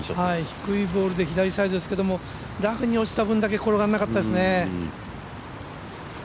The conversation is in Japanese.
低いボールで左サイドですけどラフに落ちた分だけ転がらなかったですね。